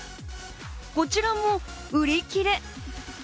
こちらも売り切れ。